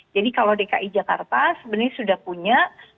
jadi kalau dki jakarta sebenarnya sudah punya